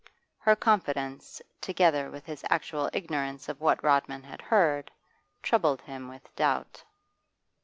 Her confidence, together with his actual ignorance of what Rodman had heard, troubled him with doubt.